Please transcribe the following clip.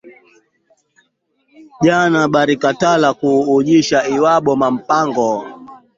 Jana barikatala ku ujisha lwabo ma mpango